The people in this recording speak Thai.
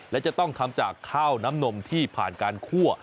และจะต้องทำจากข้าวน้ำนมที่ผ่านการคั่ว